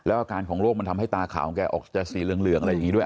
อาการของโรคมันทำให้ตาขาวของแกออกจะสีเหลืองอะไรอย่างนี้ด้วย